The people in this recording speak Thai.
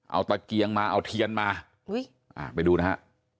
เอาตะเกียงมาเอาเทียนมาไปดูนะฮะ